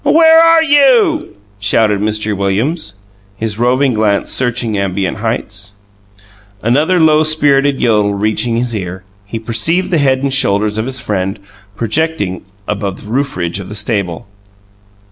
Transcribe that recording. "Where are you?" shouted Mr. Williams, his roving glance searching ambient heights. Another low spirited yodel reaching his ear, he perceived the head and shoulders of his friend projecting above the roofridge of the stable.